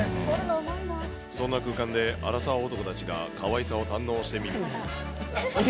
そんな空間で、アラサー男たちがかわいさを堪能してみる。